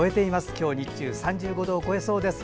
今日、日中３５度を超えそうです。